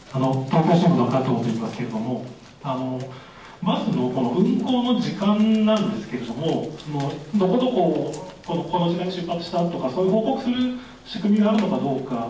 東京新聞のといいますけれども、まず運行の時間なんですけれども、どこどこを、この時間に出発したとか、そういう報告する仕組みはあるのかどうか。